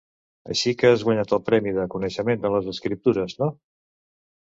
Així que has guanyat el Premi de coneixement de les escriptures, no?